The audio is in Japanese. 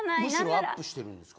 むしろアップしてるんですか？